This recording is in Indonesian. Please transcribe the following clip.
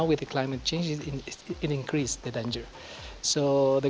jadi pemerintah membuat beberapa hal hal yang berbeda